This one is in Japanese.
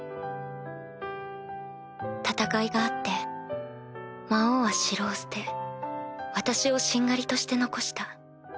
戦いがあって魔王は城を捨て私をしんがりとして残した。